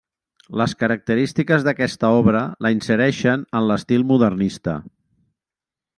Les característiques d'aquesta obra la insereixen en l'estil modernista.